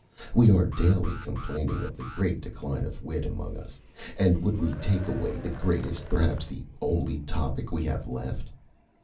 We are daily complaining of the great decline of wit among as, and would we take away the greatest, perhaps the only topic we have left?